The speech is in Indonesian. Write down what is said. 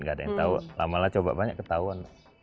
gak ada yang tau malah coba banyak ketahuan